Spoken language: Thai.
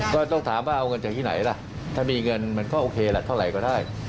ก็ต้องถามว่าเอาเงินจากที่ไหนล่ะถ้ามีเงินมันก็โอเคละเท่าไหร่ก็ได้